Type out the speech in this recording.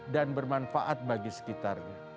dan bermanfaat bagi semua